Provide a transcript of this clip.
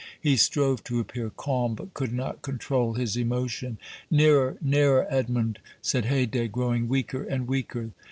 He strove to appear calm, but could not control his emotion. "Nearer, nearer, Edmond," said Haydée, growing weaker and weaker.